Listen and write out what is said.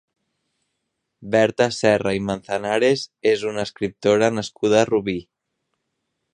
Berta Serra Manzanares és una escriptora nascuda a Rubí.